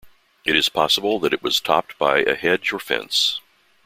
It is possible that it was topped by a hedge or fence.